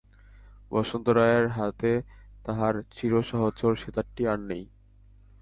বসন্ত রায়ের হাতে তাঁহার চিরসহচর সেতারটি আর নাই।